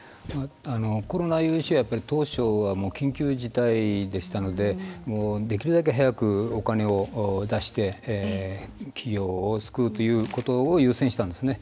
コロナ融資は当初は緊急事態でしたのでできるだけ早くお金を出して企業を救うということを優先したんですね。